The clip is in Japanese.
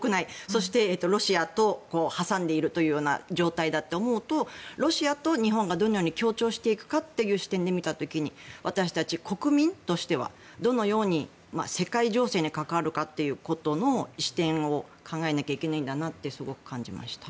そして、ロシアと挟んでいるというような状態だと思うとロシアと日本がどのように協調していくかという視点で見た時に私たち国民としてはどのように世界情勢に関わるかということの視点を考えなきゃいけないんだなってすごく感じました。